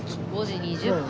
５時２０分。